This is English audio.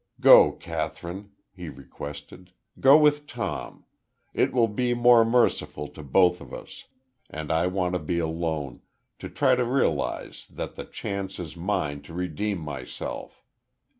"Go, Kathryn," he requested. "Go with Tom. It will be more merciful to both of us. And I want to be alone to try to realize that the chance is mine to redeem myself.